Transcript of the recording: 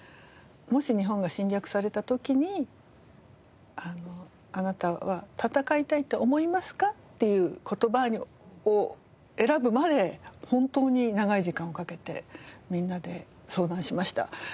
もし日本が侵略された時に「あなたは戦いたいと思いますか？」っていう言葉を選ぶまで本当に長い時間をかけてみんなで相談しました。